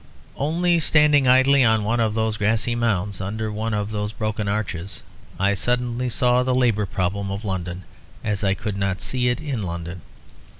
Only standing idly on one of those grassy mounds under one of those broken arches, I suddenly saw the Labour problem of London, as I could not see it in London.